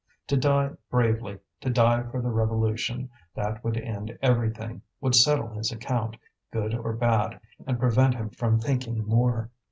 To die bravely, to die for the revolution, that would end everything, would settle his account, good or bad, and prevent him from thinking more.